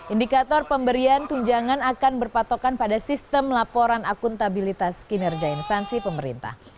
indikator pemberian tunjangan akan berpatokan pada sistem laporan akuntabilitas kinerja instansi pemerintah